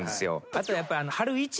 あとはやっぱ。